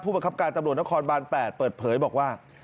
ผู้ประคับการณ์จับโหลดนครบาน๘เปิดเผยบอกว่า